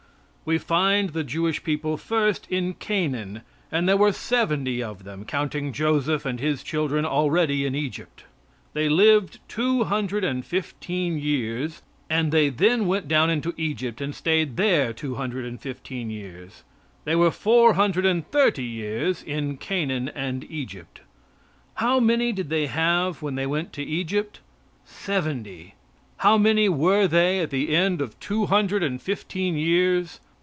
We find the Jewish people first in Canaan, and there were seventy of them, counting Joseph and his children already in Egypt. They lived two hundred and fifteen years, and they then went down into Egypt and stayed there two hundred and fifteen years they were four hundred and thirty years in Canaan and Egypt. How many did they have when they went to Egypt? Seventy. How many were they at the end of two hundred and fifteen years?